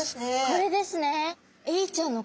これですね。